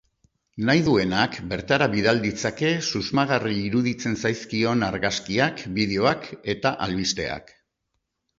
Nahi duenak bertara bidal ditzake susmagarri iruditzen zaizkion argazkiak, bideoak eta albisteak.